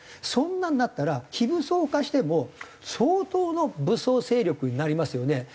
そんなのになったら非武装化しても相当の武装勢力になりますよね。